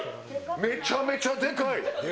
めちゃめちゃでかい。